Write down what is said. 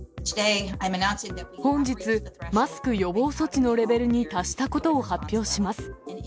本日、マスク予防措置のレベルに達したことを発表します。